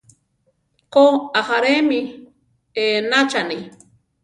Ko, ajáre mi éenachani.